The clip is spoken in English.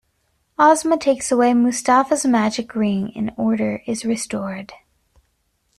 Ozma takes away Mustafa's magic ring and order is restored.